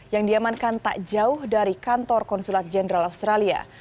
yang diamankan tak jauh dari kantor konsulat jenderal australia